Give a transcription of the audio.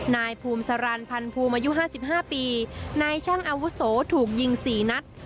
นายภูมิสารันพันภูมิอายุ๕๕ปีนายช่างอาวุโสถูกยิง๔นัด